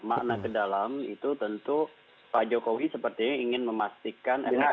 makna ke dalam itu tentu pak jokowi sepertinya ingin memastikan